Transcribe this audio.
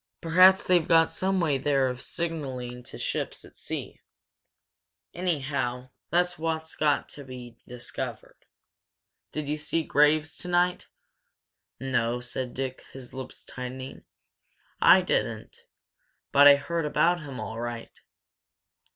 Perhaps they've got some way there of signalling to ships at sea. Anyhow, that's what's got to be discovered. Did you see Graves tonight?" "No," said Dick, his lips tightening, "I didn't! But I heard about him, all right."